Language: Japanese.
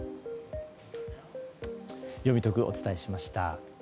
よみトクお伝えしました。